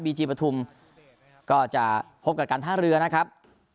จีปฐุมก็จะพบกับการท่าเรือนะครับ